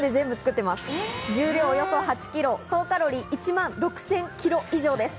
重量およそ８キロ、総カロリー１万６０００キロ以上です。